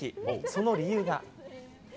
その理由が。